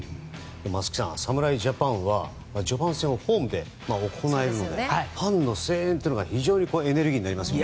松木さん、侍ジャパンは序盤をホームで行えるのでファンの声援というのは非常にエネルギーになりますよね。